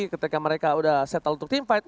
ketika mereka udah settle untuk team fight